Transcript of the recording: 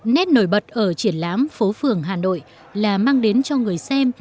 nét nổi bật ở triển lãm phố phường hà nội là mang đến cho người xem